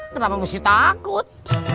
kenapa mesti takut